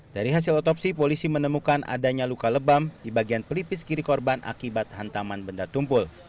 dari hasil otopsi polisi menemukan adanya luka lebam di bagian pelipis kiri korban akibat hantaman benda tumpul